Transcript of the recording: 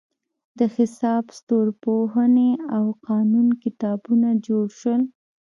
د حساب، ستورپوهنې او قانون کتابونه جوړ شول.